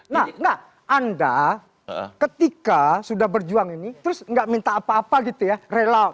nah anda ketika sudah berjuang ini terus nggak minta apa apa gitu ya rela